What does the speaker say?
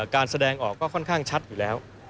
การแสดงออกก็ค่อนข้างชัดอยู่แล้ว